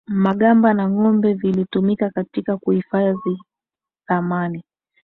magamba na ngombe vilitumika katika kuhifadhi thamani